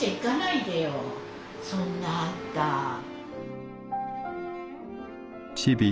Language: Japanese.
そんなあんた。